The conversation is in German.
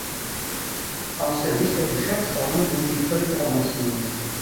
Aus der Sicht der Geschäftsordnung sind sie völlig ordnungsgemäß.